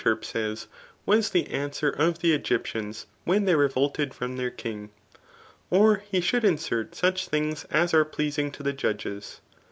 Euterpe] says, was the answer of the Egypthffis^ when they revolted from their king. Or he should insert sucb things as are pleasing to the judges.